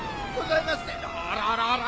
あららら？